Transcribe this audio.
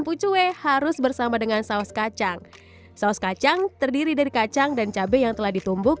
pucuwe harus bersama dengan saus kacang saus kacang terdiri dari kacang dan cabai yang telah ditumbuk